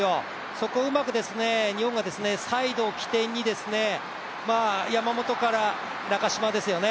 そこをうまく日本がサイドを起点に山本から中嶋ですよね。